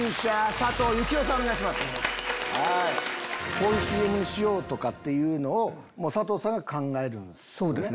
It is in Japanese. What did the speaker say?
こういうＣＭにしようとかっていうのを佐藤さんが考えるんですよね。